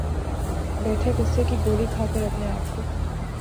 بیٹھے غصے کی گولی کھا کر اپنے آپ کو